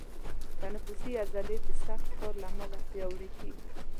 تنفسي عضلې د سخت کار له امله پیاوړي کېږي.